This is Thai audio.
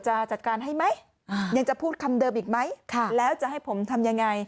จะจัดการให้ไหมยังจะพูดคำเดิมอีกไหมแล้วจะให้ผมทำยังไง